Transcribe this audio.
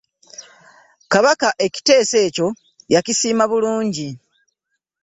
Kabaka ekiteeso ekyo yakisiima bulungi.